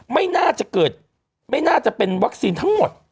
ไม่น่าจะเกิดไม่น่าจะเป็นวัคซีนทั้งหมด